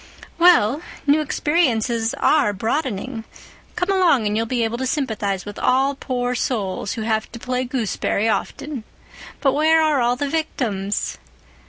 "Well, new experiences are broadening. Come along, and you'll be able to sympathize with all poor souls who have to play gooseberry often. But where are all the victims?"